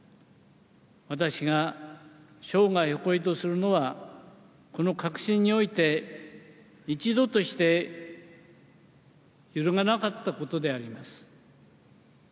私が生涯、誇りとするのは、この確信において一度として揺るがなかったことであります。